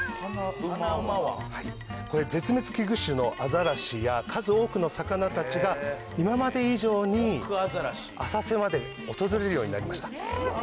絶滅危惧種のアザラシや数多くの魚たちが今まで以上に浅瀬まで訪れるようになりました。